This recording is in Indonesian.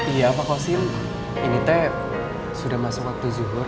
iya pak koshim ini teh sudah masuk waktu zuhur